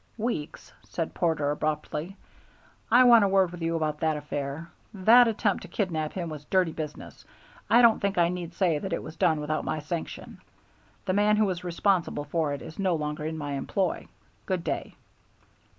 "Weeks," said Porter, abruptly, "I want a word with you about that affair. That attempt to kidnap him was dirty business. I don't think I need say that it was done without my sanction. The man who was responsible for it is no longer in my employ. Good day."